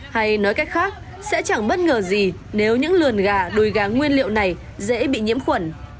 hay nói cách khác sẽ chẳng bất ngờ gì nếu những lườn gà đùi gác nguyên liệu này dễ bị nhiễm khuẩn